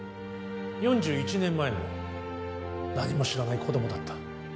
４１年前も何も知らない子供だった。